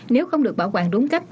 nếu không được bảo quản đúng cách